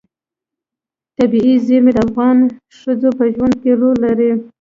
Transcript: طبیعي زیرمې د افغان ښځو په ژوند کې رول لري.